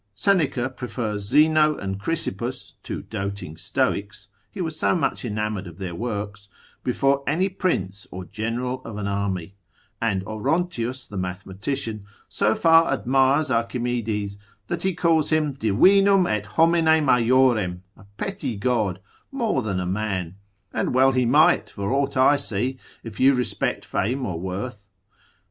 Seneca prefers Zeno and Chrysippus, two doting stoics (he was so much enamoured of their works), before any prince or general of an army; and Orontius, the mathematician, so far admires Archimedes, that he calls him Divinum et homine majorem, a petty god, more than a man; and well he might, for aught I see, if you respect fame or worth.